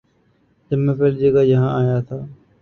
جب میں پہلی جگہ یہاں آیا تھا